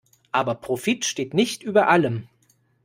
Aber Profit steht nicht über allem.